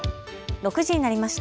６時になりました。